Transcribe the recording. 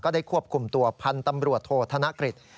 ได้ควบคุมตัวพันธ์ตำรวจโทษธนกฤษ